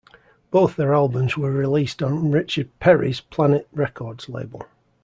Both their albums were released on Richard Perry's Planet Records label.